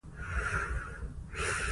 غزني د افغانستان د طبیعت برخه ده.